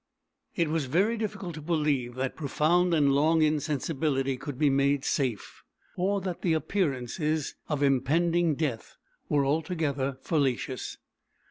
It was very difficult to believe that profound and long insensibility could be safe, or that the appearances of impending death were altogether fallacious.